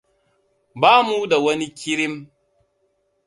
Ba mu da wani kirim.